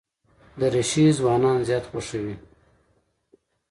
دریشي ځوانان زیات خوښوي.